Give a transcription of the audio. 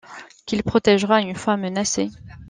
Qu'il protégeras une fois menacé.